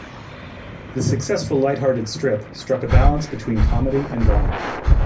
The successful lighthearted strip struck a balance between comedy and drama.